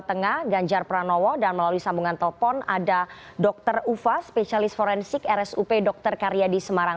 selamat sore dr ufa spesialis forensik rsup dr karya di semarang